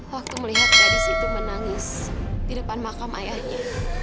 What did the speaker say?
waktu melihat gadis itu menangis di depan makam ayahnya